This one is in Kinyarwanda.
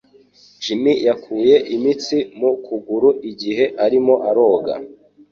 Jim yakuye imitsi mu kuguru igihe arimo aroga.